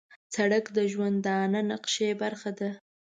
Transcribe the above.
سړک د ژوندانه نقشې برخه ده.